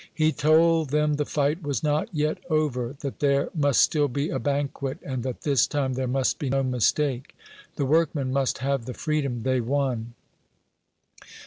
"He told them the fight was not yet over; that there must still be a banquet; and that this time there must be no mistake the workmen must have the freedom they won!"